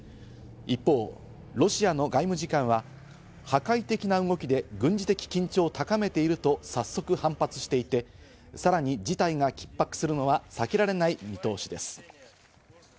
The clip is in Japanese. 一方、ロシアの外務次官は破壊的な動きで軍事的緊張を高めていると早速反発していて、さらに事態が緊迫するのは避けられない見通しです。